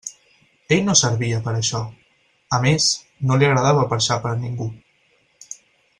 Ell no servia per a això; a més, no li agradava perxar per a ningú.